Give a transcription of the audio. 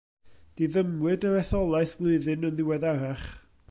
Diddymwyd yr etholaeth flwyddyn yn ddiweddarach.